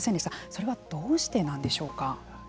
それはどうしてなんでしょうか。